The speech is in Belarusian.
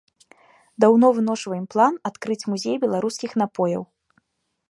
Даўно выношваем план адкрыць музей беларускіх напояў.